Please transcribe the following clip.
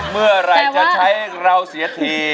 เมื่อไหร่จะใช้เราเสียที